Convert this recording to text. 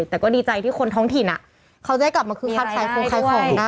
แต่ก็ดีใจที่คนท้องถิ่นอ่ะเขาได้กลับมาคัดสายคงคล้ายสองได้